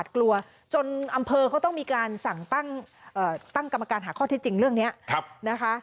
กลัวจนอำเภอเขาต้องมีการสั่งตั้งกรรมการหาข้อเท็จจริงเรื่องนี้นะคะ